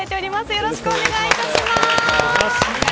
よろしくお願いします。